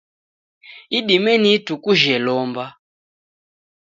Idime ni ituku jhe lomba.